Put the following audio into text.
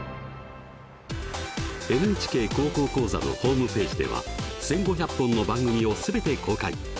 「ＮＨＫ高校講座」のホームページでは１，５００本の番組を全て公開。